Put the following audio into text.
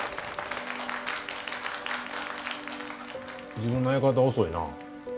自分の相方遅いな。